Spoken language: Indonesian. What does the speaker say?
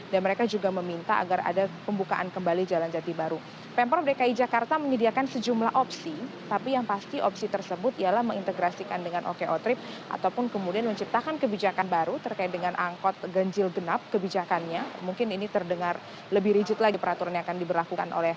dan juga mengatakan bahwa anggota pemprov ini akan memiliki kebijakan yang lebih baik